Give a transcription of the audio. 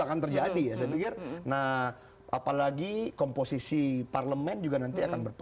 akan terjadi ya saya pikir nah apalagi komposisi parlemen juga nanti akan berpenga